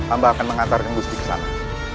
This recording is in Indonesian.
amba akan mengantarkan gusti ke sana